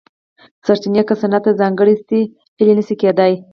سرچینې که صنعت ته ځانګړې شي هیلې نه شي کېدای.